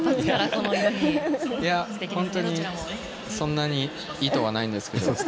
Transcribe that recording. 本当にそんなに意図はないんですけど。